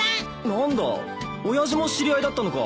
何だおやじも知り合いだったのか。